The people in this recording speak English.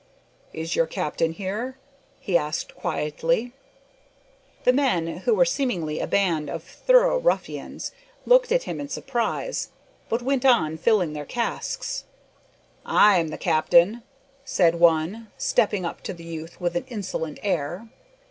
"Is your captain here?" he asked quietly. The men, who were seemingly a band of thorough ruffians, looked at him in surprise, but went on filling their casks. "I am the captain," said one, stepping up to the youth with an insolent air.